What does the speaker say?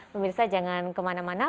pemirsa jangan kemana mana